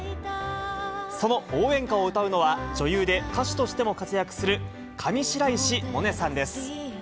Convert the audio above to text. その応援歌を歌うのは、女優で歌手としても活躍する、上白石萌音さんです。